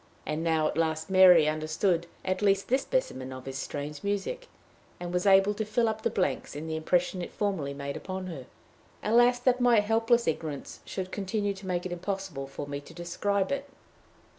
And now at last Mary understood at least this specimen of his strange music, and was able to fill up the blanks in the impression it formerly made upon her. Alas, that my helpless ignorance should continue to make it impossible for me to describe it!